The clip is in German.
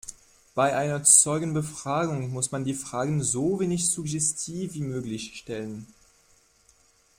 Bei einer Zeugenbefragung muss man die Fragen so wenig suggestiv wie möglich stellen.